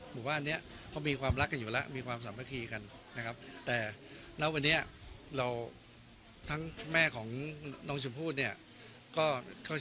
ประสานมาเราจะไม่จะไหมทิ้งคดีนี้นะนะครับ